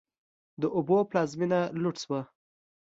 د اویو پلازمېنه لوټ شوه.